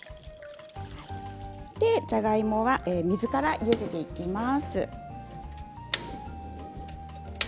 じゃがいもは水からゆでていきます。